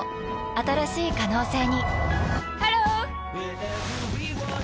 新しい可能性にハロー！